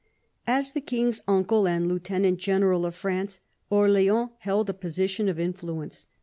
As the king's uncle and lieutenant general of France, Orleans held a position of influence.